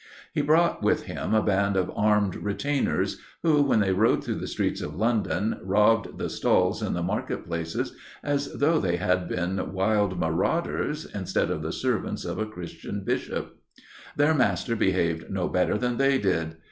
He brought with him a band of armed retainers, who, when they rode through the streets of London, robbed the stalls in the market places as though they had been wild marauders, instead of the servants of a Christian Bishop. Their Master behaved no better than they did.